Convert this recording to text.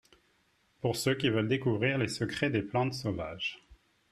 Pour ceux qui veulent découvrir les secrets des plantes sauvages